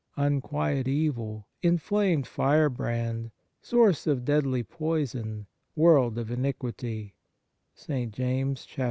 ... Unquiet evil, inflamed firebrand, source of deadly poison, world of iniquity" (St. James iii.).